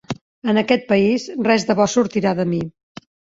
En aquest país res de bo sortirà de mi.